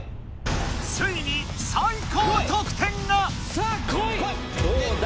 ついに最高得点が⁉どうだ？